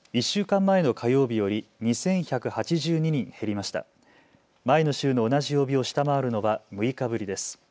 前の週の同じ曜日を下回るのは６日ぶりです。